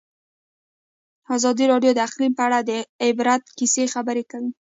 ازادي راډیو د اقلیم په اړه د عبرت کیسې خبر کړي.